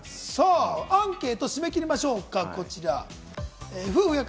アンケート締め切りましょうか。